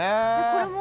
これも。